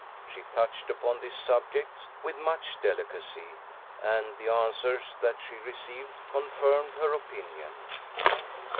She touched upon this subject with much delicacy, and the answers that she received confirmed her opinion.